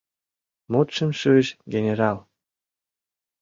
— Мутшым шуйыш генерал.